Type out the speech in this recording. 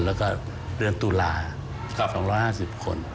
แล้วก็เดือนตุลา๒๕๐คน